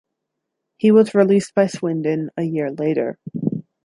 He was released by Swindon a year later.